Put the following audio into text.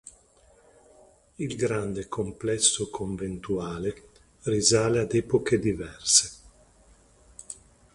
Il grande complesso conventuale risale ad epoche diverse.